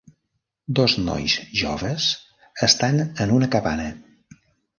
Dos nois joves estan en una cabana.